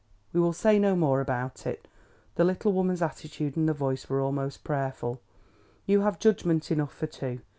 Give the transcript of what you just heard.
we will say no more about it." The little woman's attitude and voice were almost prayerful. "You have judgment enough for two.